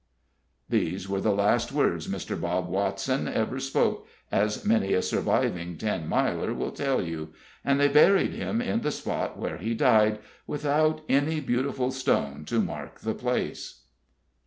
These were the last words Mr. Bob Watson ever spoke, as many a surviving Ten Miler will tell you, and they buried him in the spot where he died, without any beautiful stone to mark the place.